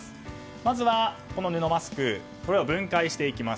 まずは布マスクを分解していきます。